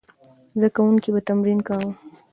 زده کوونکي به تمرین کاوه.